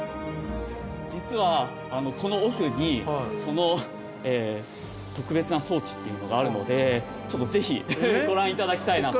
実はこの奥にその特別な装置っていうのがあるのでぜひご覧いただきたいなと。